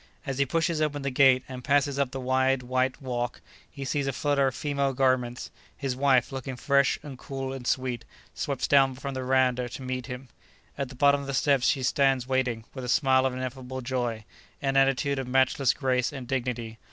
As he pushes open the gate and passes up the wide white walk, he sees a flutter of female garments; his wife, looking fresh and cool and sweet, steps down from the veranda to meet him. At the bottom of the steps she stands waiting, with a smile of ineffable joy, an attitude of matchless grace and dignity.